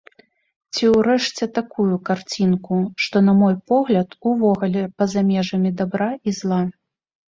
Ці ўрэшце такую карцінку, што, на мой погляд, увогуле па-за межамі дабра і зла.